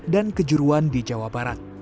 dan kejuruan di jawa barat